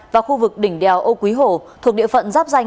và khu vực đỉnh đèo âu quý hổ thuộc địa phận giáp danh